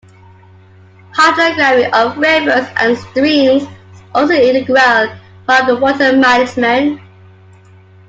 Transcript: Hydrography of rivers and streams is also an integral part of water management.